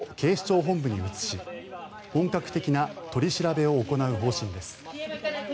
このあと身柄を警視庁本部に移し本格的な取り調べを行う方針です。